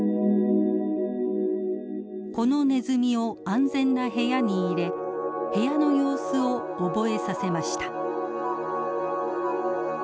このネズミを安全な部屋に入れ部屋の様子を覚えさせました。